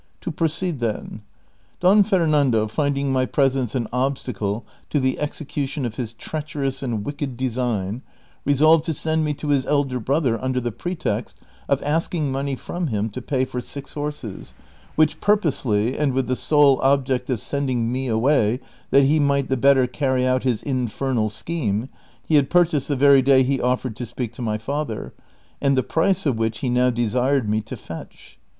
To proceed, then : Don Fernando finding my presence an obstacle to the execution of his ti'eacherous and wicked design, resolved to send me to his elder brother under the pretext of asking money from him to pay for six horses Avhich, purposely, and with the sole object of sending me away that he might the better cany out his in fernal scheme, he had purchasetl the very day he oftered to speak to my father, and tlie price of which he now desired me to fetch.